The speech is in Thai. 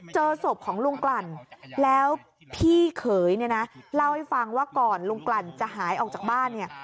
เจอศพของลุงกลั่นแล้วพี่เขยเนี่ยนะเล่าให้ฟังว่าก่อนลุงกลั่นจะหายออกจากบ้านเนี่ย